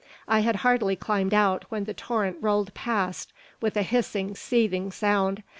I had hardly climbed out when the torrent rolled past with a hissing, seething sound.